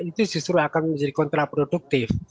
itu justru akan menjadi kontraproduktif